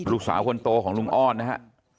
ลูกสาวคนโตของลุงอ้อนนะฮะ